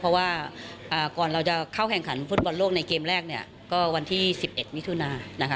เพราะว่าก่อนเราจะเข้าแข่งขันฟุตบอลโลกในเกมแรกเนี่ยก็วันที่๑๑มิถุนานะคะ